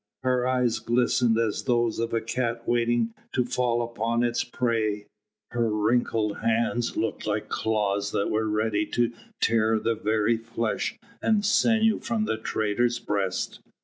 Her eyes glistened as those of a cat waiting to fall upon its prey; her wrinkled hands looked like claws that were ready to tear the very flesh and sinew from the traitor's breast.